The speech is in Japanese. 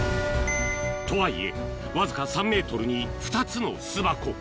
とはいえわずか３ｍに２つの巣箱